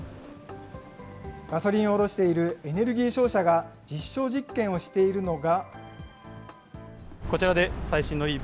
ガソリンを卸しているエネルギー商社が実証実験をしているのが。